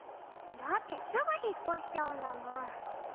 だってすぐひっこしちゃうんだもん。